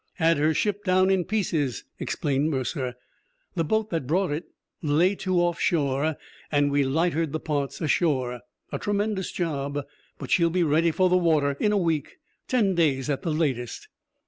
"Had her shipped down in pieces," explained Mercer. "The boat that brought it lay to off shore and we lightered the parts ashore. A tremendous job. But she'll be ready for the water in a week; ten days at the latest."